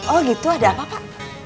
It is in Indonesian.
oh gitu ada apa pak